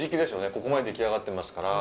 ここまで出来上がってますから。